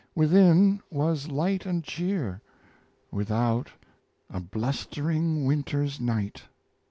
Within, was light and cheer; without, A blustering winter's right.